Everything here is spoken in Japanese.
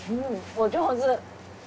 お上手。